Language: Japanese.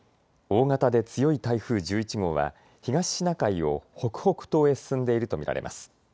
大型で強い台風１１号は東シナ海を北北東へ進んでいると見られます。